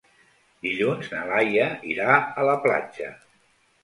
Dilluns na Laia irà a la platja.